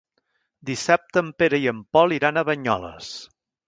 Dissabte en Pere i en Pol iran a Banyoles.